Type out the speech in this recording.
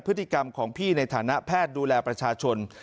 พฤติกรรมของพี่ในฐานะแพทย์ดูแลประชาชน